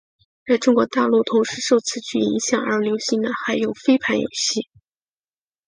在中国大陆同时受此剧影响而流行的还有飞盘游戏。